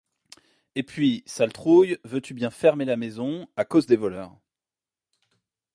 Et puis, sale trouille, veux-tu bien fermer la maison, à cause des voleurs!